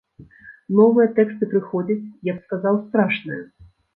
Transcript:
Новыя тэксты прыходзяць, я б сказаў, страшныя.